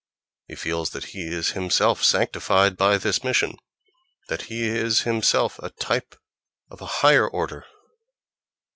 He feels that he is himself sanctified by this mission, that he is himself a type of a higher order!...